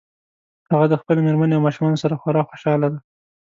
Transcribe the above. هغه د خپلې مېرمنې او ماشومانو سره خورا خوشحاله ده